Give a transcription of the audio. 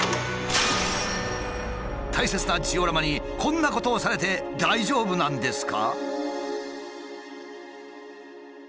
大切なジオラマにこんなことをされて大丈夫なんですか？